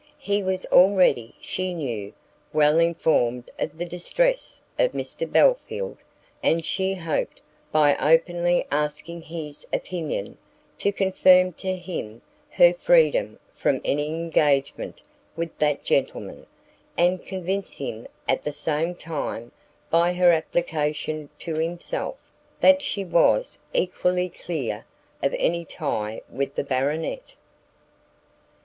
He was already, she knew, well informed of the distress of Mr Belfield, and she hoped, by openly asking his opinion, to confirm to him her freedom from any engagement with that gentleman, and convince him, at the same time, by her application to himself, that she was equally clear of any tie with the Baronet.